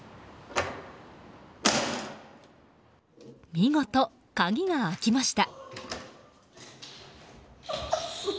見事、鍵が開きました。